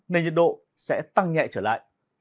nên nhiệt độ sẽ tăng nhẹ trở lại